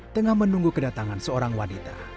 tengah menunggu kedatangan seorang wanita